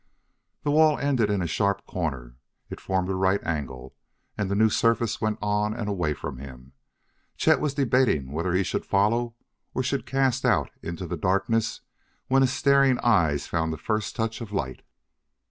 The wall ended in a sharp corner; it formed a right angle, and the new surface went on and away from him. Chet was debating whether he should follow or should cast out into the darkness when his staring eyes found the first touch of light.